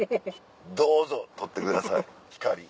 どうぞ撮ってくださいヒカリ。